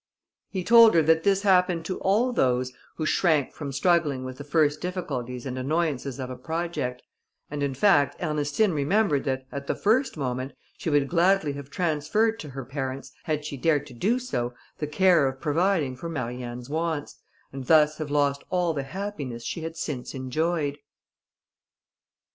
He told her that this happened to all those who shrank from struggling with the first difficulties and annoyances of a project: and, in fact, Ernestine remembered that, at the first moment, she would gladly have transferred to her parents, had she dared to do so, the care of providing for Marianne's wants, and thus have lost all the happiness she had since enjoyed.